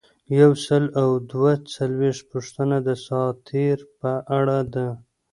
یو سل او دوه څلویښتمه پوښتنه د دساتیر په اړه ده.